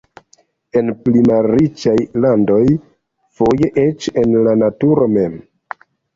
En pli malriĉaj landoj foje eĉ ene de la naturo mem.